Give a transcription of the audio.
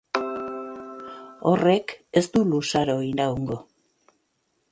Horrek ez du luzaro iraungo.